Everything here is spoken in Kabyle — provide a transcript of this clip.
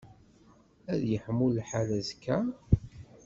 Ad yeḥmu lḥal azekka?